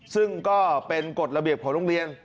ซึ่งก็เป็นกฎระเบียบของโรงเรียน